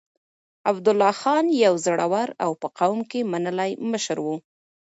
عبدالله خان يو زړور او په قوم کې منلی مشر و.